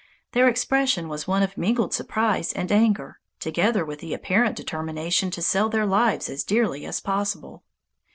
Their expression was one of mingled surprise and anger, together with the apparent determination to sell their lives as dearly as possible.